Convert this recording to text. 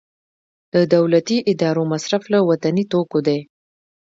د دولتي ادارو مصرف له وطني توکو دی